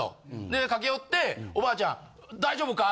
で駆け寄って「おばあちゃん大丈夫か？」